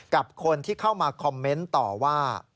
กับคนที่เข้ามาคอมเมนต์ต่อว่า